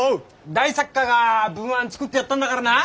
大作家が文案作ってやったんだからな！